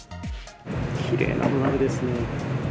きれいな土鍋ですね。